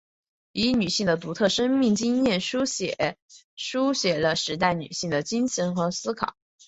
以女性的独特生命经验书法抒写了时代女性的精神和思考。